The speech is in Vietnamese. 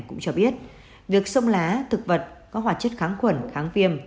cũng cho biết việc sông lá thực vật có hoạt chất kháng khuẩn kháng viêm